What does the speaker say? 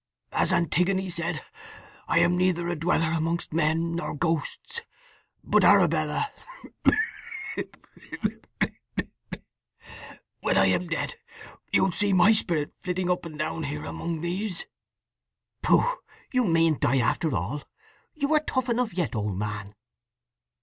As Antigone said, I am neither a dweller among men nor ghosts. But, Arabella, when I am dead, you'll see my spirit flitting up and down here among these!" "Pooh! You mayn't die after all. You are tough enough yet, old man."